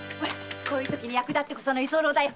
こんなとき役立ってこその居候だよ！